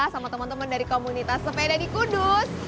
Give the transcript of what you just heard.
sama teman teman dari komunitas sepeda di kudus